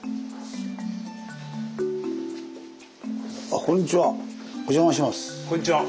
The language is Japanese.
あこんにちは。